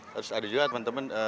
terus ada juga teman teman